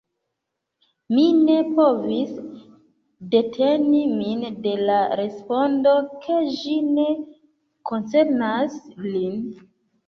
Mi ne povis deteni min de la respondo, ke ĝi ne koncernas lin.